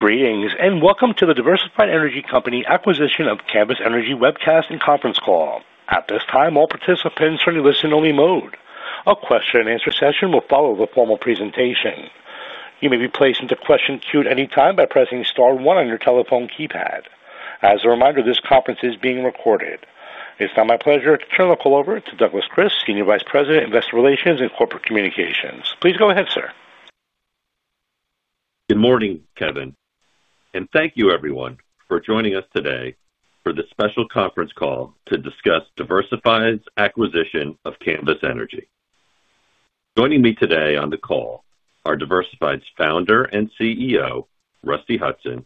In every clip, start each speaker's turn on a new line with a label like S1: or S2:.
S1: Greetings and welcome to the Diversified Energy Company acquisition of Canvas Energy webcast and conference call. At this time, all participants are in a listen-only mode. A question and answer session will follow the formal presentation. You may be placed into the question queue at any time by pressing star one on your telephone keypad. As a reminder, this conference is being recorded. It's now my pleasure to turn the call over to Doug Kris, Senior Vice President, Investor Relations and Corporate Communications. Please go ahead, sir.
S2: Good morning, Kevin, and thank you, everyone, for joining us today for this special conference call to discuss Diversified Energy Company PLC's acquisition of Canvas Energy. Joining me today on the call are Diversified Energy Company PLC's Founder and CEO, Rusty Hutson,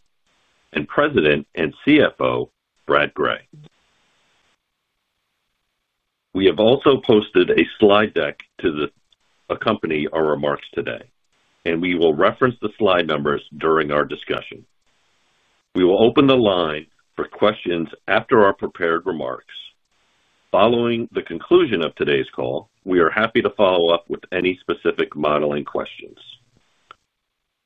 S2: and President and CFO, Brad Gray. We have also posted a slide deck to accompany our remarks today, and we will reference the slide numbers during our discussion. We will open the line for questions after our prepared remarks. Following the conclusion of today's call, we are happy to follow up with any specific modeling questions.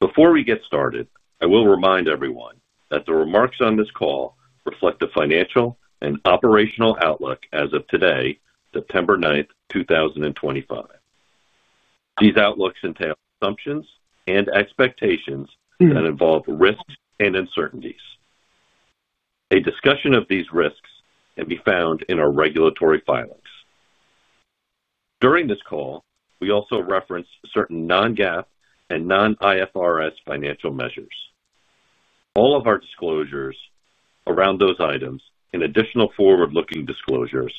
S2: Before we get started, I will remind everyone that the remarks on this call reflect the financial and operational outlook as of today, September 9, 2025. These outlooks entail assumptions and expectations that involve risks and uncertainties. A discussion of these risks can be found in our regulatory filings. During this call, we also reference certain non-GAAP and non-IFRS financial measures. All of our disclosures around those items and additional forward-looking disclosures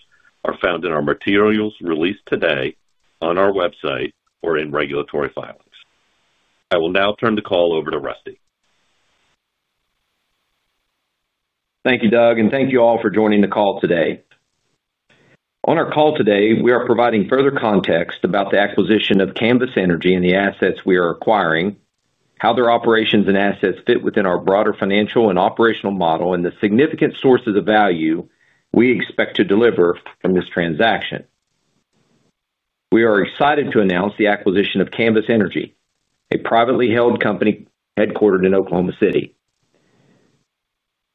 S2: are found in our materials released today on our website or in regulatory filings. I will now turn the call over to Rusty.
S3: Thank you, Doug, and thank you all for joining the call today. On our call today, we are providing further context about the acquisition of Canvas Energy and the assets we are acquiring, how their operations and assets fit within our broader financial and operational model, and the significant sources of value we expect to deliver from this transaction. We are excited to announce the acquisition of Canvas Energy, a privately held company headquartered in Oklahoma City.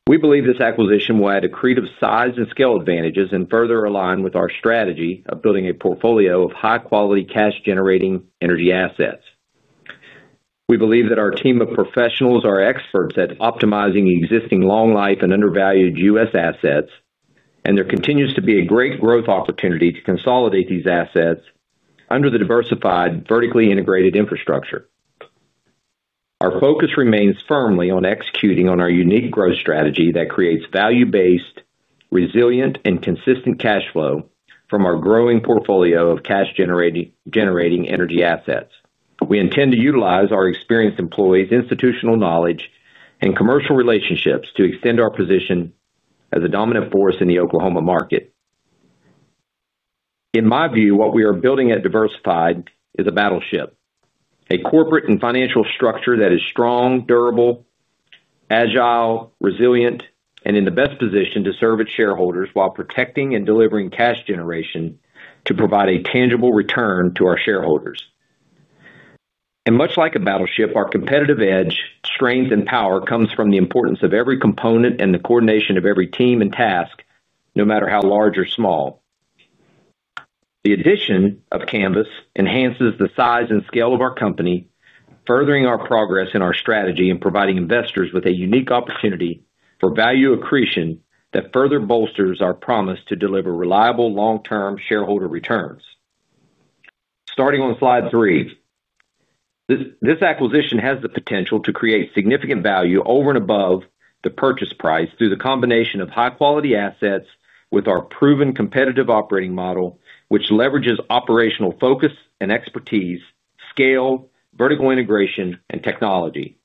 S3: We believe this acquisition will add accretive size and scale advantages and further align with our strategy of building a portfolio of high-quality, cash-generating energy assets. We believe that our team of professionals are experts at optimizing existing long-life and undervalued U.S. assets, and there continues to be a great growth opportunity to consolidate these assets under the Diversified vertically integrated infrastructure. Our focus remains firmly on executing on our unique growth strategy that creates value-based, resilient, and consistent cash flow from our growing portfolio of cash-generating energy assets. We intend to utilize our experienced employees' institutional knowledge and commercial relationships to extend our position as a dominant force in the Oklahoma market. In my view, what we are building at Diversified is a battleship, a corporate and financial structure that is strong, durable, agile, resilient, and in the best position to serve its shareholders while protecting and delivering cash generation to provide a tangible return to our shareholders. Much like a battleship, our competitive edge, strength, and power come from the importance of every component and the coordination of every team and task, no matter how large or small. The addition of Canvas enhances the size and scale of our company, furthering our progress in our strategy and providing investors with a unique opportunity for value accretion that further bolsters our promise to deliver reliable long-term shareholder returns. Starting on slide three, this acquisition has the potential to create significant value over and above the purchase price through the combination of high-quality assets with our proven competitive operating model, which leverages operational focus and expertise, scale, vertical integration, and technology.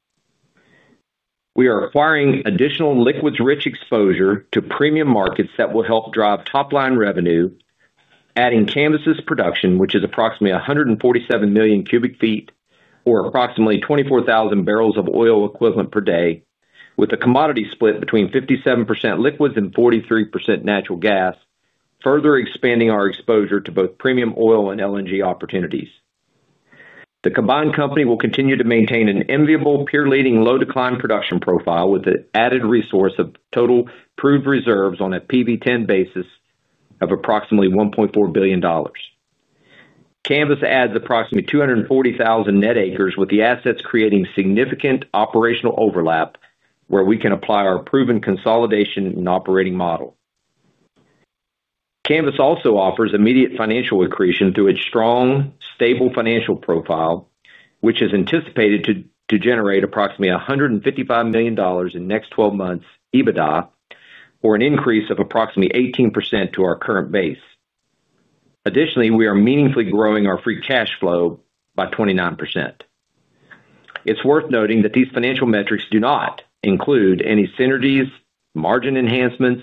S3: We are acquiring additional liquids-rich exposure to premium markets that will help drive top-line revenue, adding Canvas's production, which is approximately 147 million cubic feet, or approximately 24,000 barrels of oil equivalent per day, with a commodity split between 57% liquids and 43% natural gas, further expanding our exposure to both premium oil and LNG opportunities. The combined company will continue to maintain an enviable, pure-leading, low-decline production profile with an added resource of total crude reserves on a PV10 basis of approximately $1.4 billion. Canvas adds approximately 240,000 net acres, with the assets creating significant operational overlap where we can apply our proven consolidation and operating model. Canvas also offers immediate financial accretion through a strong, stable financial profile, which is anticipated to generate approximately $155 million in the next 12 months EBITDA or an increase of approximately 18% to our current base. Additionally, we are meaningfully growing our free cash flow by 29%. It's worth noting that these financial metrics do not include any synergies, margin enhancements,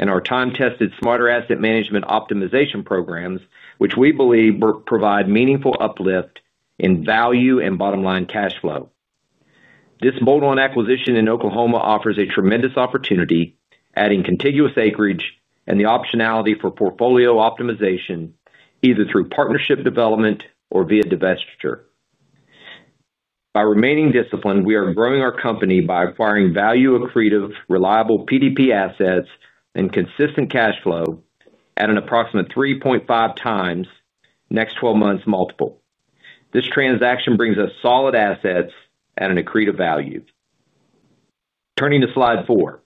S3: and our time-tested smarter asset management optimization programs, which we believe provide meaningful uplift in value and bottom-line cash flow. This bolt-on acquisition in Oklahoma offers a tremendous opportunity, adding contiguous acreage and the optionality for portfolio optimization either through partnership development or via divestiture. By remaining disciplined, we are growing our company by acquiring value-accretive, reliable PDP assets and consistent cash flow at an approximate 3.5 times next 12 months multiple. This transaction brings us solid assets at an accretive value. Turning to slide four,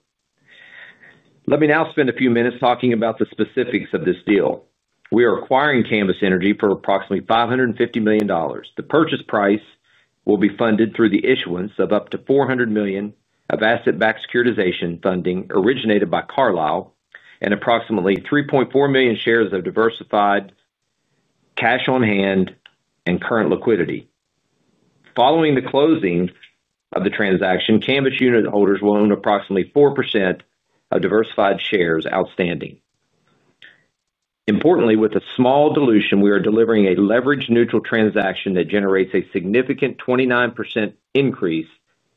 S3: let me now spend a few minutes talking about the specifics of this deal. We are acquiring Canvas Energy for approximately $550 million. The purchase price will be funded through the issuance of up to $400 million of asset-backed securitization funding originated by Carlyle and approximately 3.4 million shares of Diversified, cash on hand, and current liquidity. Following the closing of the transaction, Canvas unitholders will own approximately 4% of Diversified shares outstanding. Importantly, with a small dilution, we are delivering a leverage-neutral transaction that generates a significant 29% increase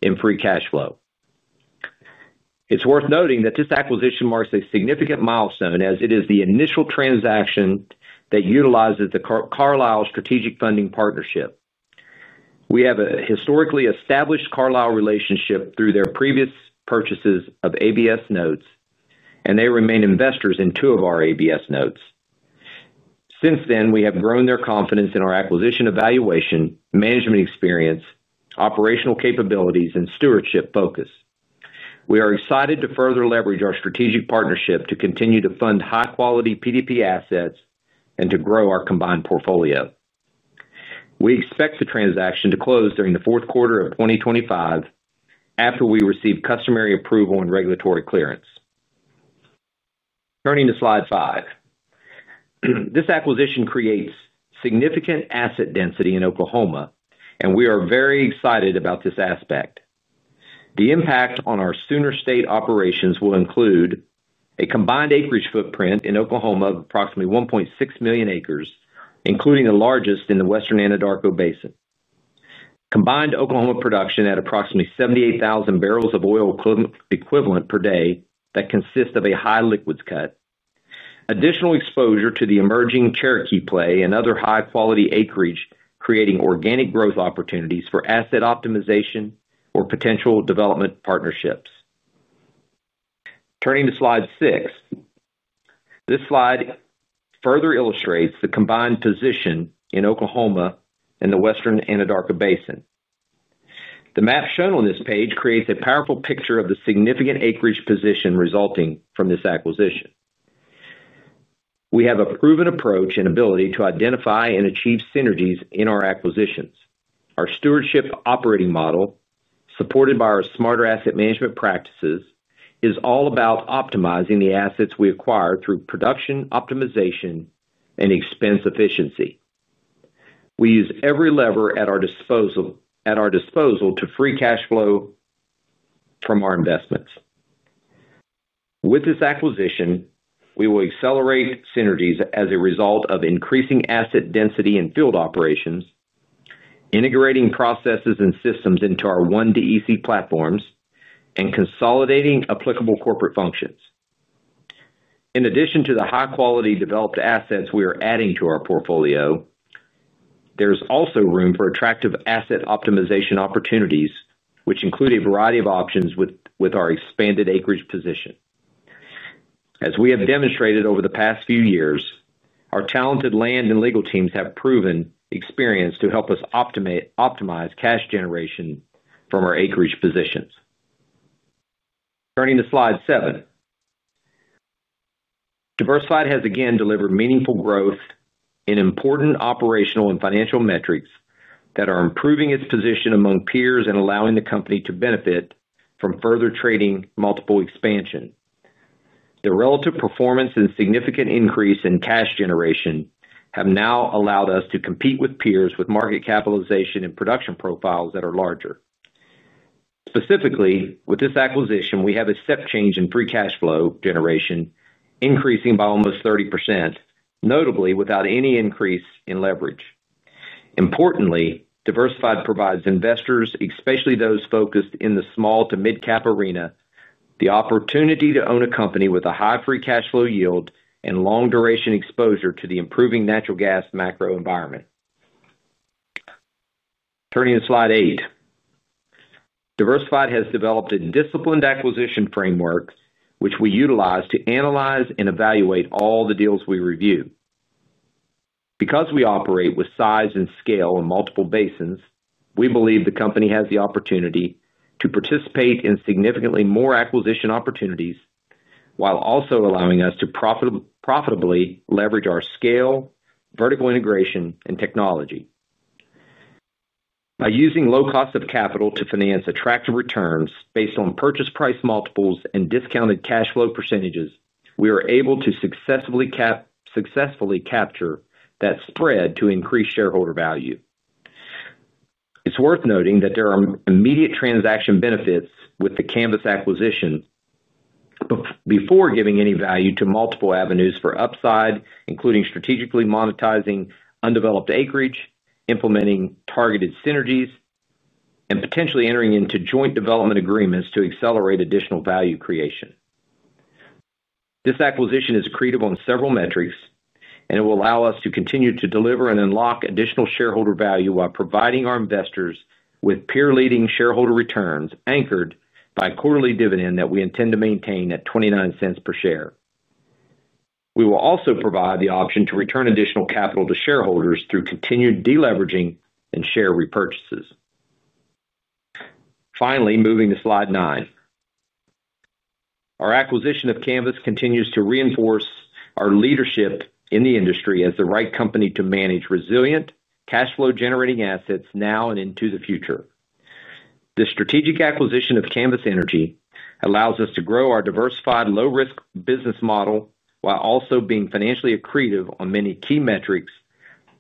S3: in free cash flow. It's worth noting that this acquisition marks a significant milestone as it is the initial transaction that utilizes the Carlyle strategic funding partnership. We have a historically established Carlyle relationship through their previous purchases of ABS notes, and they remain investors in two of our ABS notes. Since then, we have grown their confidence in our acquisition evaluation, management experience, operational capabilities, and stewardship focus. We are excited to further leverage our strategic partnership to continue to fund high-quality PDP assets and to grow our combined portfolio. We expect the transaction to close during the fourth quarter of 2025 after we receive customary approval and regulatory clearance. Turning to slide five, this acquisition creates significant asset density in Oklahoma, and we are very excited about this aspect. The impact on our Sooner State operations will include a combined acreage footprint in Oklahoma of approximately 1.6 million acres, including the largest in the Western Anadarko Basin. Combined Oklahoma production at approximately 78,000 barrels of oil equivalent per day that consists of a high liquids cut. Additional exposure to the emerging Cherokee play and other high-quality acreage creating organic growth opportunities for asset optimization or potential development partnerships. Turning to slide six, this slide further illustrates the combined position in Oklahoma and the Western Anadarko Basin. The map shown on this page creates a powerful picture of the significant acreage position resulting from this acquisition. We have a proven approach and ability to identify and achieve synergies in our acquisitions. Our stewardship operating model, supported by our smarter asset management practices, is all about optimizing the assets we acquire through production optimization and expense efficiency. We use every lever at our disposal to free cash flow from our investments. With this acquisition, we will accelerate synergies as a result of increasing asset density and field operations, integrating processes and systems into our 1DEC platforms and consolidating applicable corporate functions. In addition to the high-quality developed assets we are adding to our portfolio, there is also room for attractive asset optimization opportunities, which include a variety of options with our expanded acreage position. As we have demonstrated over the past few years, our talented land and legal teams have proven experience to help us optimize cash generation from our acreage positions. Turning to slide seven, Diversified has again delivered meaningful growth in important operational and financial metrics that are improving its position among peers and allowing the company to benefit from further trading multiple expansion. The relative performance and significant increase in cash generation have now allowed us to compete with peers with market capitalization and production profiles that are larger. Specifically, with this acquisition, we have a step change in free cash flow generation increasing by almost 30%, notably without any increase in leverage. Importantly, Diversified provides investors, especially those focused in the small to mid-cap arena, the opportunity to own a company with a high free cash flow yield and long-duration exposure to the improving natural gas macro environment. Turning to slide eight, Diversified has developed a disciplined acquisition framework, which we utilize to analyze and evaluate all the deals we review. Because we operate with size and scale in multiple basins, we believe the company has the opportunity to participate in significantly more acquisition opportunities while also allowing us to profitably leverage our scale, vertical integration, and technology. By using low cost of capital to finance attractive returns based on purchase price multiples and discounted cash flow percentages, we are able to successfully capture that spread to increase shareholder value. It's worth noting that there are immediate transaction benefits with the Canvas acquisition before giving any value to multiple avenues for upside, including strategically monetizing undeveloped acreage, implementing targeted synergies, and potentially entering into joint development agreements to accelerate additional value creation. This acquisition is accretive on several metrics, and it will allow us to continue to deliver and unlock additional shareholder value while providing our investors with pure leading shareholder returns anchored by quarterly dividends that we intend to maintain at $0.29 per share. We will also provide the option to return additional capital to shareholders through continued deleveraging and share repurchases. Finally, moving to slide nine, our acquisition of Canvas continues to reinforce our leadership in the industry as the right company to manage resilient, cash-flow-generating assets now and into the future. The strategic acquisition of Canvas Energy allows us to grow our diversified, low-risk business model while also being financially accretive on many key metrics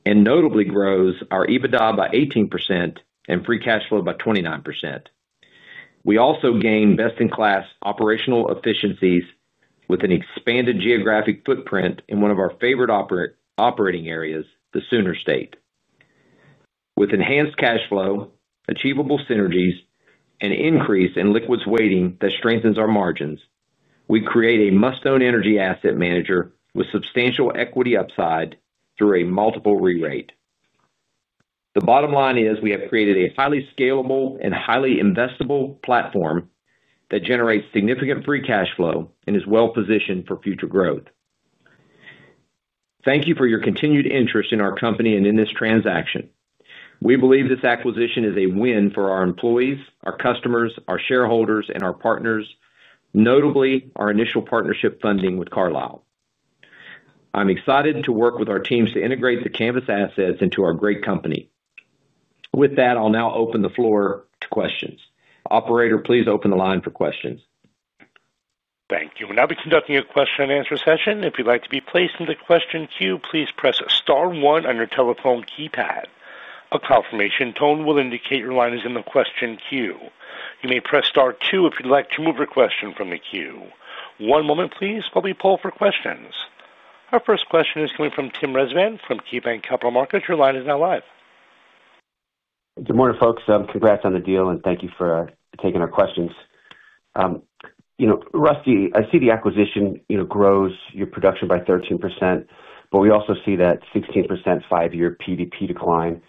S3: and notably grows our EBITDA by 18% and free cash flow by 29%. We also gain best-in-class operational efficiencies with an expanded geographic footprint in one of our favorite operating areas, the Sooner State. With enhanced cash flow, achievable synergies, and an increase in liquids weighting that strengthens our margins, we create a must-own energy asset manager with substantial equity upside through a multiple re-rate. The bottom line is we have created a highly scalable and highly investable platform that generates significant free cash flow and is well-positioned for future growth. Thank you for your continued interest in our company and in this transaction. We believe this acquisition is a win for our employees, our customers, our shareholders, and our partners, notably our initial partnership funding with Carlyle. I'm excited to work with our teams to integrate the Canvas assets into our great company. With that, I'll now open the floor to questions. Operator, please open the line for questions.
S1: Thank you. We'll now be conducting a question and answer session. If you'd like to be placed in the question queue, please press star one on your telephone keypad. A confirmation tone will indicate your line is in the question queue. You may press star two if you'd like to move your question from the queue. One moment, please. We'll be polled for questions. Our first question is coming from Tim Rezvan from KeyBanc Capital Markets. Your line is now live.
S4: Good morning, folks. Congrats on the deal and thank you for taking our questions. Rusty, I see the acquisition grows your production by 13%, but we also see that 16% five-year PDP decline,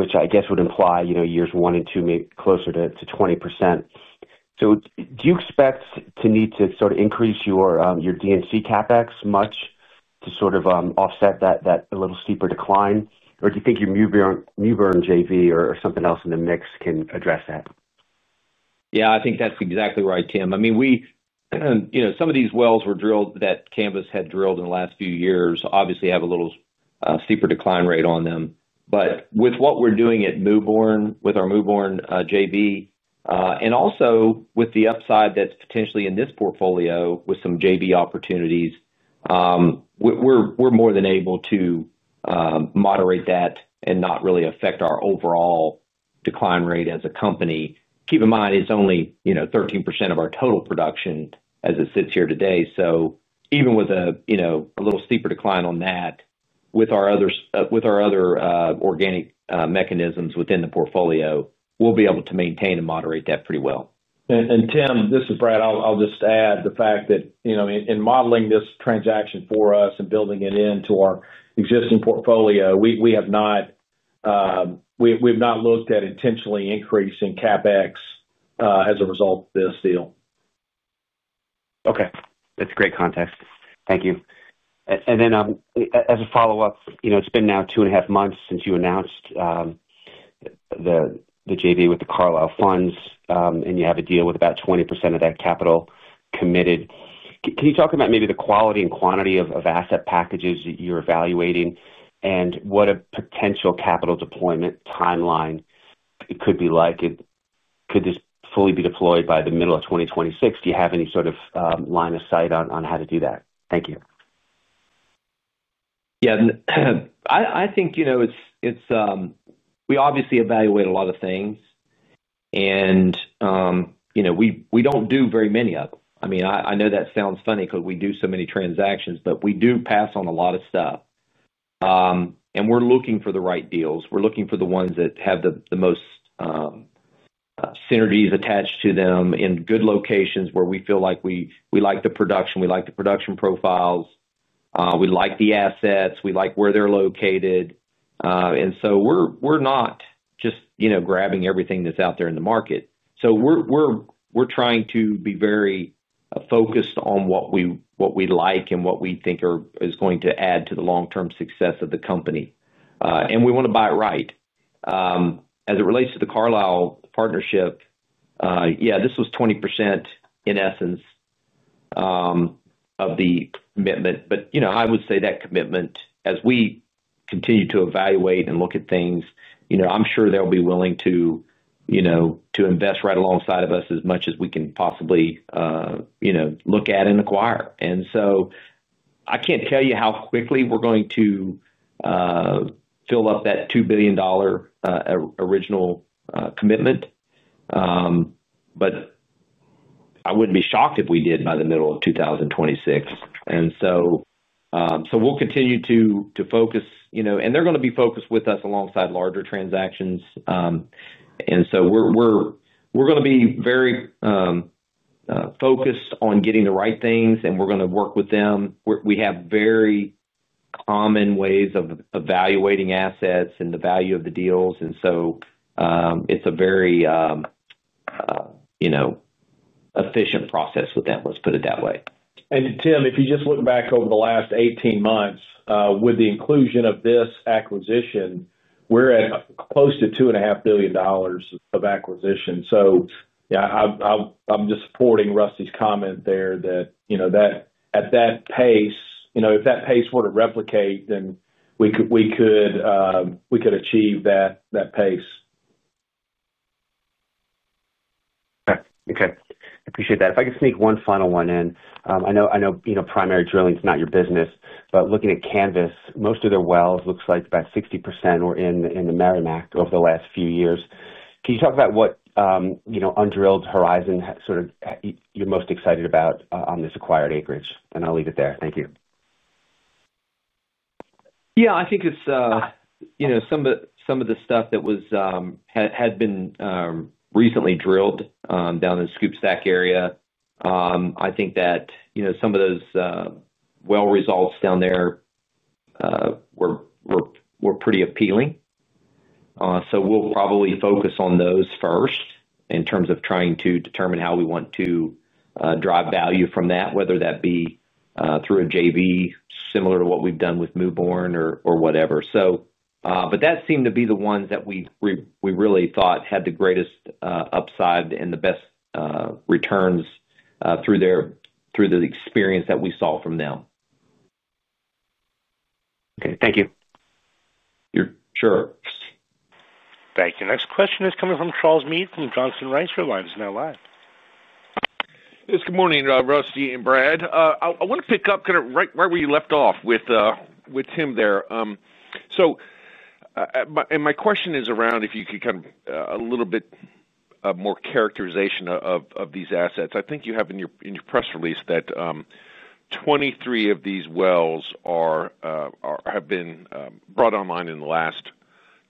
S4: which I guess would imply years one and two may be closer to 20%. Do you expect to need to sort of increase your D&C CapEx much to sort of offset that a little steeper decline? Or do you think your Mewburn JV or something else in the mix can address that?
S3: Yeah, I think that's exactly right, Tim. I mean, some of these wells that Canvas had drilled in the last few years obviously have a little steeper decline rate on them. With what we're doing at Mewborn, with our Mewborn JV, and also with the upside that's potentially in this portfolio with some JV opportunities, we're more than able to moderate that and not really affect our overall decline rate as a company. Keep in mind, it's only 13% of our total production as it sits here today. Even with a little steeper decline on that, with our other organic mechanisms within the portfolio, we'll be able to maintain and moderate that pretty well.
S5: Tim, this is Brad. I'll just add the fact that, you know, in modeling this transaction for us and building it into our existing portfolio, we have not looked at intentionally increasing CapEx as a result of this deal.
S4: Okay, that's great context. Thank you. As a follow-up, you know, it's been now two and a half months since you announced the JV with the Carlyle funds, and you have a deal with about 20% of that capital committed. Can you talk about maybe the quality and quantity of asset packages that you're evaluating and what a potential capital deployment timeline could be like? Could this fully be deployed by the middle of 2026? Do you have any sort of line of sight on how to do that? Thank you.
S3: Yeah, I think we obviously evaluate a lot of things, and we don't do very many of them. I know that sounds funny because we do so many transactions, but we do pass on a lot of stuff. We're looking for the right deals. We're looking for the ones that have the most synergies attached to them in good locations where we feel like we like the production, we like the production profiles, we like the assets, we like where they're located. We're not just grabbing everything that's out there in the market. We're trying to be very focused on what we like and what we think is going to add to the long-term success of the company. We want to buy it right. As it relates to the Carlyle partnership, this was 20% in essence of the commitment. I would say that commitment, as we continue to evaluate and look at things, I'm sure they'll be willing to invest right alongside of us as much as we can possibly look at and acquire. I can't tell you how quickly we're going to fill up that $2 billion original commitment, but I wouldn't be shocked if we did by the middle of 2026. We'll continue to focus, and they're going to be focused with us alongside larger transactions. We're going to be very focused on getting the right things, and we're going to work with them. We have very common ways of evaluating assets and the value of the deals. It's a very efficient process with them. Let's put it that way.
S5: Tim, if you just look back over the last 18 months, with the inclusion of this acquisition, we're at close to $2.5 billion of acquisition. I'm just supporting Rusty's comment there that at that pace, if that pace were to replicate, then we could achieve that pace.
S4: Okay, I appreciate that. If I could sneak one final one in, I know, I know primary drilling is not your business, but looking at Canvas, most of their wells look like about 60% were in the Merrimack over the last few years. Can you talk about what undrilled horizon sort of you're most excited about on this acquired acreage? I'll leave it there. Thank you.
S3: Yeah, I think it's, you know, some of the stuff that was, had been recently drilled down in the Scoopstack area. I think that, you know, some of those well results down there were pretty appealing. We'll probably focus on those first in terms of trying to determine how we want to drive value from that, whether that be through a JV similar to what we've done with Mewborn or whatever. That seemed to be the ones that we really thought had the greatest upside and the best returns through their, through the experience that we saw from them.
S4: Okay, thank you.
S3: Sure.
S1: Thank you. Next question is coming from Charles Mead from Johnson Rice & Company. Line is now live.
S6: Good morning, Rusty and Brad. I want to pick up right where you left off with Tim there. My question is around if you could give a little bit more characterization of these assets. I think you have in your press release that 23 of these wells have been brought online in the last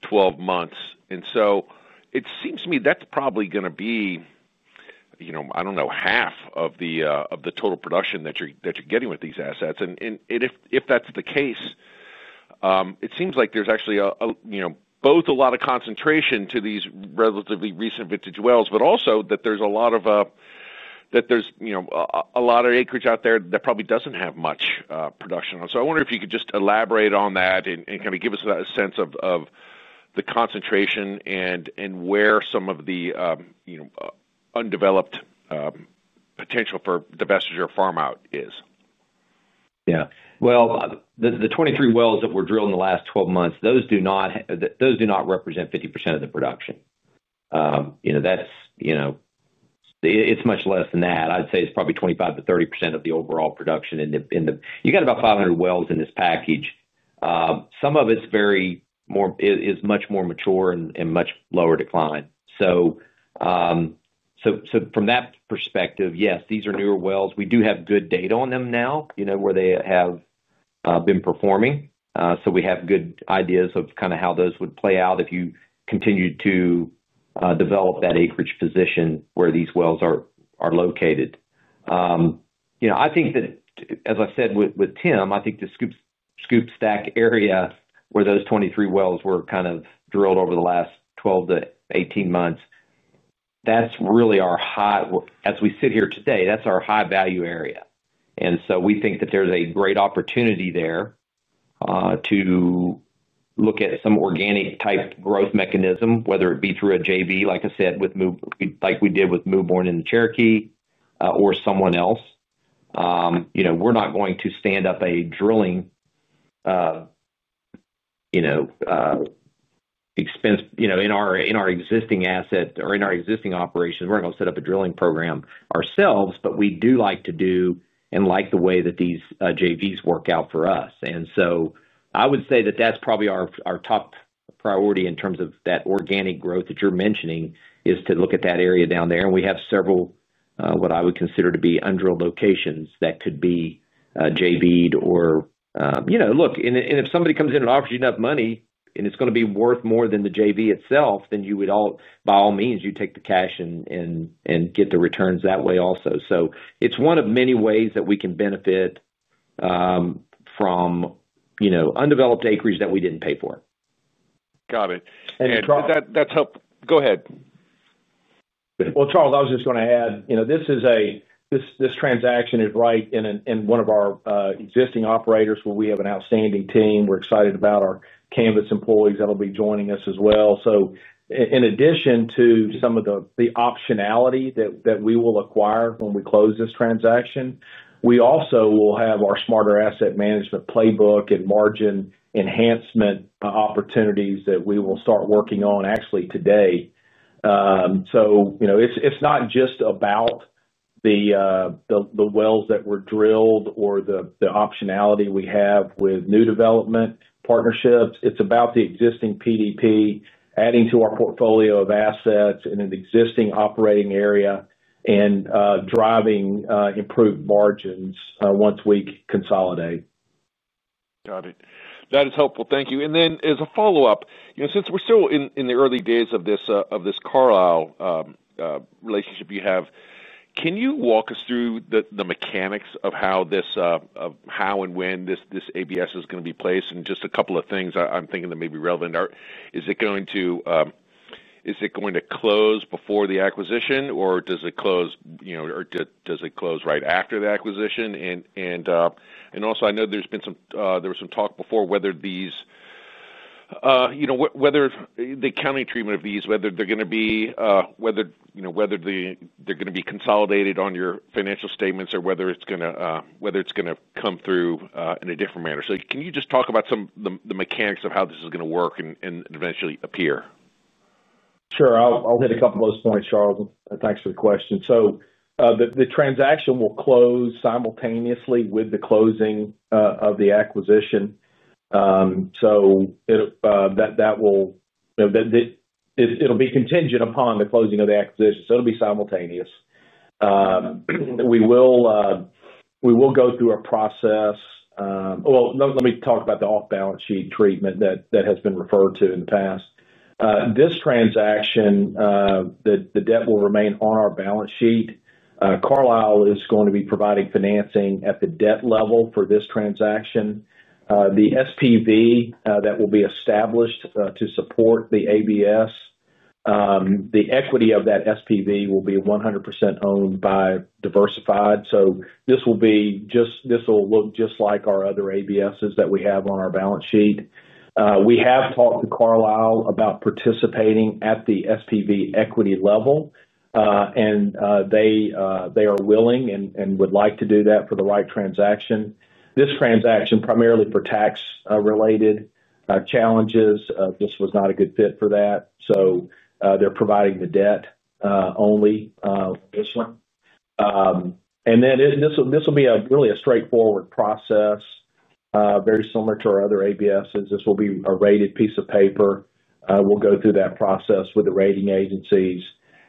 S6: 12 months. It seems to me that's probably going to be, I don't know, half of the total production that you're getting with these assets. If that's the case, it seems like there's actually both a lot of concentration to these relatively recent vintage wells, but also that there's a lot of acreage out there that probably doesn't have much production on. I wonder if you could just elaborate on that and give us a sense of the concentration and where some of the undeveloped potential for divestiture farm out is.
S3: Yeah, the 23 wells that were drilled in the last 12 months do not represent 50% of the production. It's much less than that. I'd say it's probably 25 to 30% of the overall production. You've got about 500 wells in this package. Some of it is much more mature and much lower decline. From that perspective, these are newer wells. We do have good data on them now, where they have been performing. We have good ideas of how those would play out if you continued to develop that acreage position where these wells are located. I think that, as I said with Tim, the Scoopstack area where those 23 wells were drilled over the last 12 to 18 months, that's really our high, as we sit here today, that's our high value area. We think that there's a great opportunity there to look at some organic type growth mechanism, whether it be through a JV, like I said, like we did with Mewborn in the Cherokee or someone else. We're not going to stand up a drilling expense in our existing asset or in our existing operations. We're not going to set up a drilling program ourselves, but we do like to do and like the way that these JVs work out for us. I would say that that's probably our top priority in terms of that organic growth that you're mentioning is to look at that area down there. We have several, what I would consider to be undrilled locations that could be JV'd or, if somebody comes in and offers you enough money and it's going to be worth more than the JV itself, then by all means, you'd take the cash and get the returns that way also. It's one of many ways that we can benefit from undeveloped acreage that we didn't pay for.
S6: Got it. That's helpful. Go ahead.
S5: Charles, I was just going to add, you know, this transaction is right in one of our existing operators where we have an outstanding team. We're excited about our Canvas employees that'll be joining us as well. In addition to some of the optionality that we will acquire when we close this transaction, we also will have our smarter asset management playbook and margin enhancement opportunities that we will start working on actually today. You know, it's not just about the wells that were drilled or the optionality we have with new development partnerships. It's about the existing PDP, adding to our portfolio of assets in an existing operating area and driving improved margins once we consolidate.
S6: Got it. That is helpful. Thank you. As a follow-up, since we're still in the early days of this Carlyle relationship you have, can you walk us through the mechanics of how and when this asset-backed securitization (ABS) is going to be placed? A couple of things I'm thinking that may be relevant: is it going to close before the acquisition or does it close right after the acquisition? I know there's been some talk before whether the accounting treatment of these, whether they're going to be consolidated on your financial statements or whether it's going to come through in a different manner. Can you just talk about some of the mechanics of how this is going to work and eventually appear?
S5: Sure. I'll hit a couple of those points, Charles. Thanks for the question. The transaction will close simultaneously with the closing of the acquisition. It'll be contingent upon the closing of the acquisition, so it'll be simultaneous. We will go through a process. Let me talk about the off-balance sheet treatment that has been referred to in the past. This transaction, the debt will remain on our balance sheet. Carlyle is going to be providing financing at the debt level for this transaction. The SPV that will be established to support the ABS, the equity of that SPV will be 100% owned by Diversified. This will look just like our other ABSs that we have on our balance sheet. We have talked to Carlyle about participating at the SPV equity level, and they are willing and would like to do that for the right transaction. This transaction, primarily for tax-related challenges, was not a good fit for that. They're providing the debt only initially. This will be really a straightforward process, very similar to our other ABSs. This will be a rated piece of paper. We'll go through that process with the rating agencies.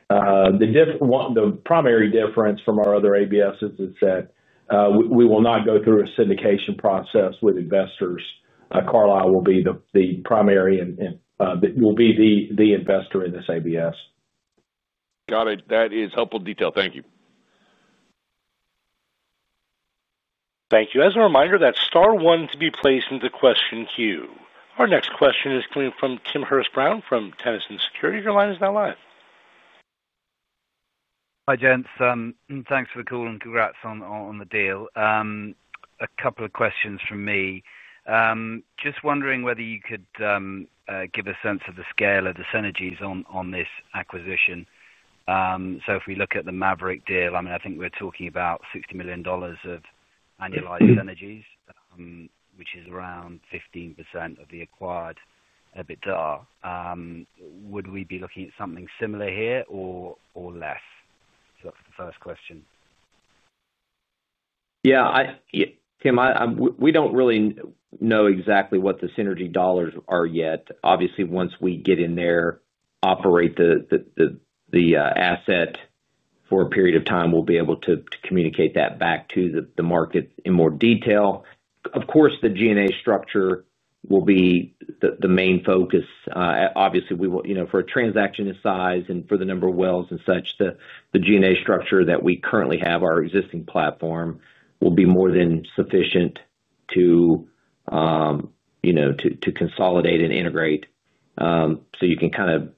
S5: The primary difference from our other ABSs is that we will not go through a syndication process with investors. Carlyle will be the primary and will be the investor in this ABS.
S6: Got it. That is helpful detail. Thank you.
S1: Thank you. As a reminder, that's star one to be placed into question queue. Our next question is coming from Tim Hurst Brown from Tennyson Securities. Your line is now live.
S7: Hi Dennis. Thanks for the call and congrats on the deal. A couple of questions from me. Just wondering whether you could give a sense of the scale of the synergies on this acquisition. If we look at the Maverick deal, I mean, I think we're talking about $60 million of annualized synergies, which is around 15% of the acquired EBITDA. Would we be looking at something similar here or less? That's the first question.
S3: Yeah, Tim, we don't really know exactly what the synergy dollars are yet. Obviously, once we get in there, operate the asset for a period of time, we'll be able to communicate that back to the market in more detail. Of course, the G&A structure will be the main focus. Obviously, for a transaction of size and for the number of wells and such, the G&A structure that we currently have, our existing platform will be more than sufficient to consolidate and integrate. You can kind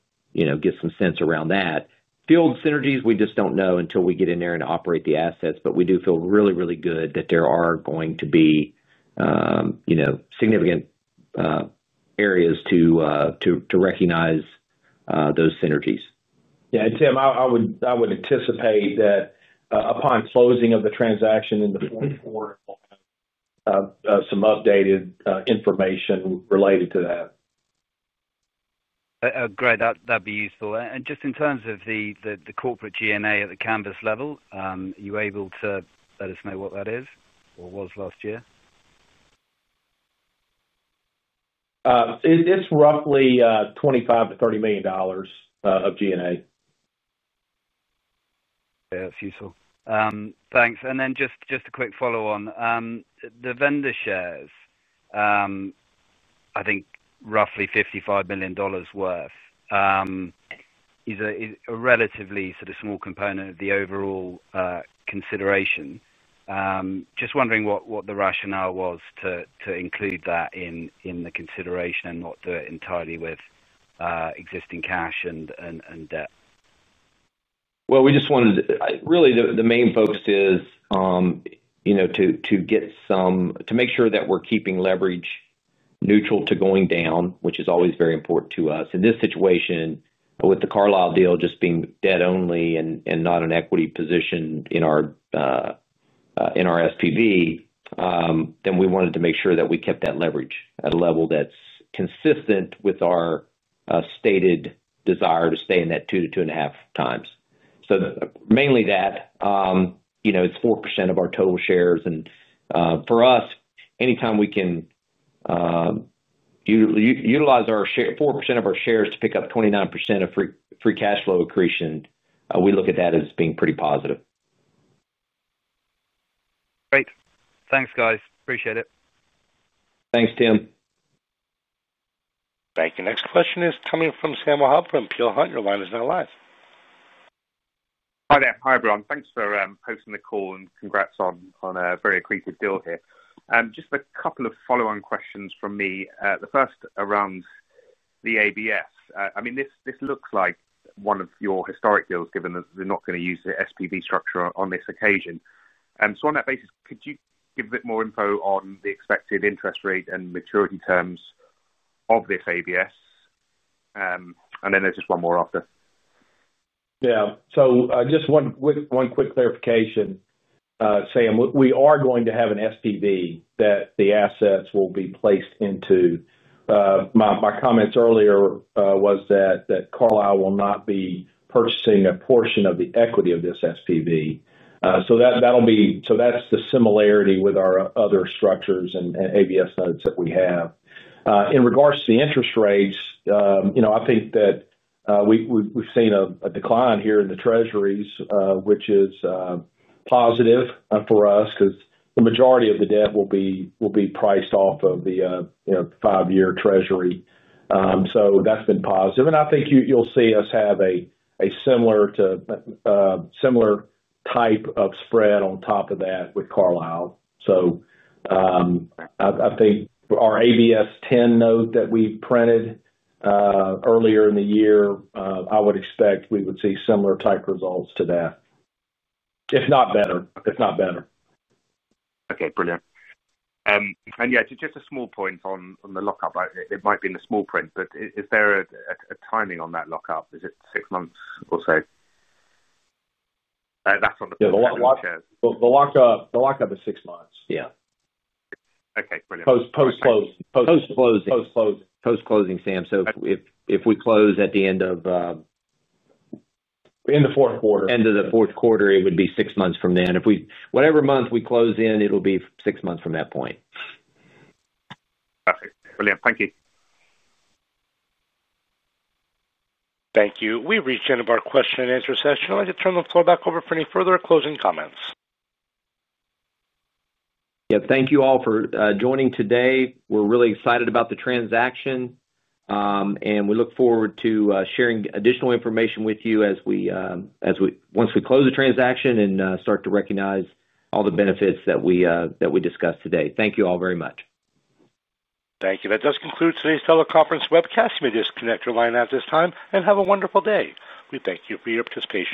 S3: of get some sense around that. Field synergies, we just don't know until we get in there and operate the assets, but we do feel really, really good that there are going to be significant areas to recognize those synergies.
S5: Yeah, Tim, I would anticipate that upon closing of the transaction in the fourth quarter, some updated information related to that.
S7: That'd be useful. In terms of the corporate G&A at the Canvas level, are you able to let us know what that is or was last year?
S3: It's roughly $25 million to $30 million of G&A.
S7: Yeah, that's useful. Thanks. Just a quick follow-on. The vendor shares, I think roughly $55 million worth, is a relatively sort of small component of the overall consideration. Just wondering what the rationale was to include that in the consideration and not do it entirely with existing cash and debt.
S3: The main focus is, you know, to get some, to make sure that we're keeping leverage neutral to going down, which is always very important to us. In this situation, with the Carlyle deal just being debt only and not an equity position in our SPV, then we wanted to make sure that we kept that leverage at a level that's consistent with our stated desire to stay in that 2 to 2.5 times. Mainly that, you know, it's 4% of our total shares. For us, anytime we can utilize our share, 4% of our shares to pick up 29% of free cash flow accretion, we look at that as being pretty positive.
S7: Great. Thanks, guys. Appreciate it.
S3: Thanks, Tim.
S1: Thank you. Next question is coming from Samuel Hub from Peel Hunt, and your line is now live.
S8: Hi there. Hi everyone. Thanks for hosting the call and congrats on a very accretive deal here. Just a couple of follow-on questions from me. The first around the ABS. I mean, this looks like one of your historic deals given that they're not going to use the SPV structure on this occasion. On that basis, could you give a bit more info on the expected interest rate and maturity terms of this ABS? There's just one more after.
S5: Yeah, just one quick clarification, Sam, we are going to have an SPV that the assets will be placed into. My comments earlier were that Carlyle will not be purchasing a portion of the equity of this SPV. That's the similarity with our other structures and ABS notes that we have. In regards to the interest rates, I think that we've seen a decline here in the treasuries, which is positive for us because the majority of the debt will be priced off of the five-year treasury. That's been positive. I think you'll see us have a similar type of spread on top of that with Carlyle. I think our ABS 10 note that we've printed earlier in the year, I would expect we would see similar type results to that, if not better, if not better.
S8: Okay, brilliant. Yeah, just a small point on the lockup. It might be in the small print, but is there a timing on that lockup? Is it six months or so?
S5: Yeah, the lockup is six months.
S8: Yeah, okay, brilliant.
S5: Post closing.
S3: Post closing, Sam, if we close at the end of.
S5: End of the fourth quarter.
S3: End of the fourth quarter, it would be six months from then. If we, whatever month we close in, it'll be six months from that point.
S8: Perfect. Brilliant. Thank you.
S1: Thank you. We've reached the end of our question and answer session. I'd like to turn the floor back over for any further closing comments.
S3: Thank you all for joining today. We're really excited about the transaction, and we look forward to sharing additional information with you once we close the transaction and start to recognize all the benefits that we discussed today. Thank you all very much.
S1: Thank you. That does conclude today's teleconference webcast. You may disconnect your line at this time and have a wonderful day. We thank you for your participation.